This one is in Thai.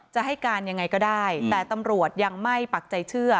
จะให้การยังไงก็ได้แต่ตำรวจยังไม่ปักใจเชื่อ